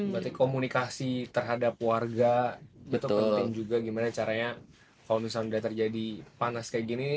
berarti komunikasi terhadap warga itu penting juga gimana caranya kalau misalnya sudah terjadi panas kayak gini